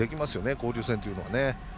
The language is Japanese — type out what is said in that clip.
交流戦というのがね。